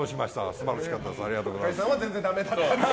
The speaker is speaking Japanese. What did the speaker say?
素晴らしかったです。